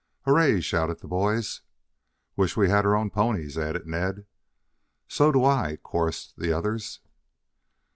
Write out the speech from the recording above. "Hooray!" shouted the boys. "Wish we had our own ponies," added Ned. "So do I," chorused the others.